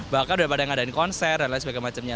bahkan udah pada ngadain konser dan lain sebagainya